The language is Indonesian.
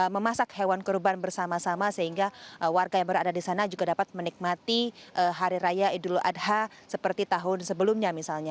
memasak hewan kurban bersama sama sehingga warga yang berada di sana juga dapat menikmati hari raya idul adha seperti tahun sebelumnya misalnya